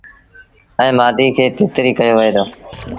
ائيٚݩ مآڌيٚ کي تتريٚ ڪيو وهي دو۔